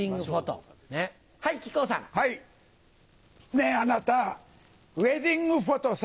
ねぇあなたウエディングフォトさ